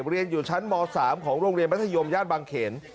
เรียนอยู่ชั้นม๓ของโรงเรียนมัธยมย่านบางเขน